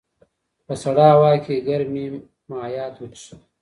په سړه هوا کې ګرمې مایعات وڅښئ.